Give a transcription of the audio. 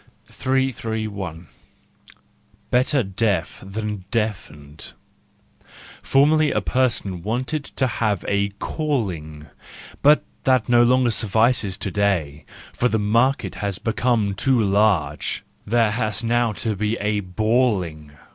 331 Better Deaf than Deafened. —Formerly a person wanted to have a callings but that no longer suffices to day, for the market has become too large,— there has now to be bawling.